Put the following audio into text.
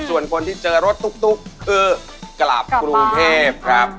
ส่วนคนที่เจอรถตุ๊กคือกลับกรุงเทพครับ